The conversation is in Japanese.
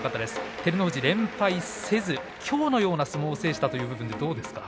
照ノ富士、連敗せずきょうのような相撲を制した部分でどうですか？